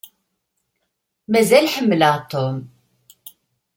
Mazal ḥemmleɣ Tom.